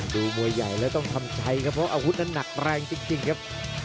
ดูมวยใหญ่แล้วต้องทำใจครับเพราะอาวุธนั้นหนักแรงจริงครับ